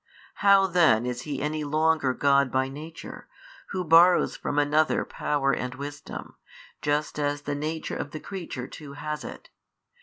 how then is He any longer God by Nature, who borrows from another power and wisdom, just as the nature of the creature too has it?